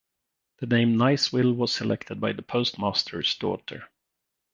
The name Niceville was selected by the postmaster's daughter.